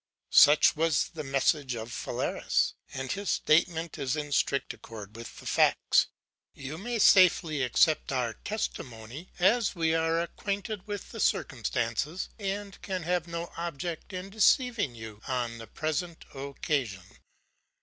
Such was the message of Phalaris; and his statement is in strict accordance with the facts. You may safely accept our testimony, as we are acquainted with the circumstances, and can have no object in deceiving you on the present occasion.